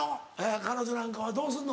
彼女なんかはどうすんの？